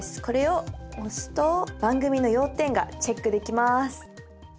これを押すと番組の要点がチェックできます！